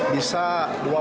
bisa dua bahkan lebih